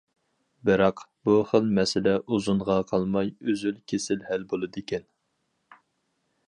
بىراق، بۇ خىل مەسىلە ئۇزۇنغا قالماي ئۈزۈل- كېسىل ھەل بولىدىكەن.